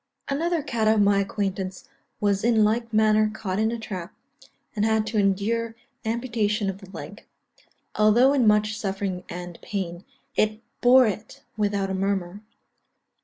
_) Another cat of my acquaintance was in like manner caught in a trap, and had to endure amputation of the leg; although in much suffering and pain, it bore it without a murmur.